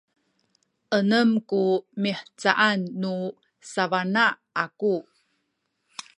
enem ku mihcaan nu sabana aku